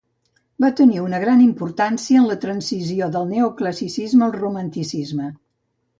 Va tenir una gran importància en la transició del Neoclassicisme al Romanticisme.